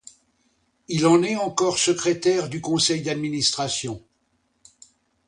Il en est encore secrétaire du Conseil d’Administration.